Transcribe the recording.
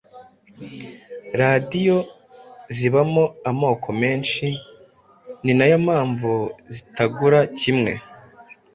Radiyo zibamo amoko menhi ninayo mpamvu zitagura kimwe